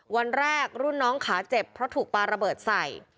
วันแรกรุ่นน้องขาเจ็บเพราะถูกปลาระเบิดใส่